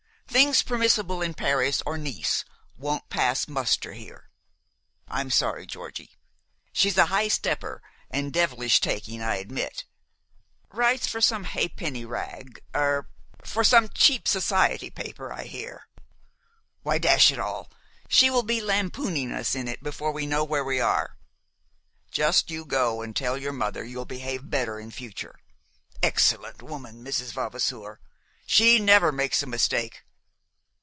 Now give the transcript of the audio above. Things permissible in Paris or Nice won't pass muster here. I'm sorry, Georgie. She's a high stepper and devilish taking, I admit. Writes for some ha'penny rag er for some cheap society paper, I hear. Why, dash it all, she will be lampooning us in it before we know where we are. Just you go and tell your mother you'll behave better in future. Excellent woman, Mrs. Vavasour. She never makes a mistake.